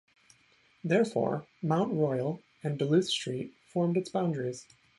Therefore, Mount Royal and Duluth Street formed its boundaries.